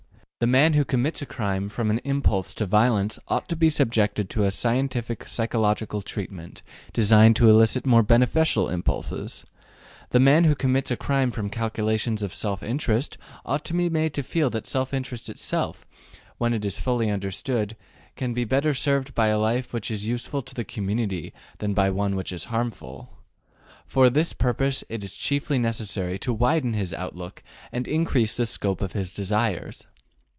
The man who commits a crime from an impulse to violence ought to be subjected to a scientific psychological treatment, designed to elicit more beneficial impulses. The man who commits a crime from calculations of self interest ought to be made to feel that self interest itself, when it is fully understood, can be better served by a life which is useful to the community than by one which is harmful. For this purpose it is chiefly necessary to widen his outlook and increase the scope of his desires.